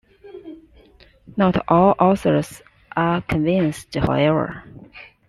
Not all authors are convinced, however.